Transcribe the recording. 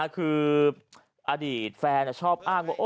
คืออดีตแฟนชอบอ้างว่า